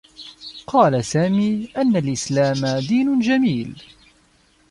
قال سامي أنّ الإسلام دين جميل.